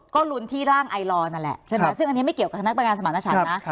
ก็ลุ้นที่ร่างไอลอร์นั่นแหละใช่ไหมซึ่งอันนี้ไม่เกี่ยวกับคณะประการสมรรถฉันนะ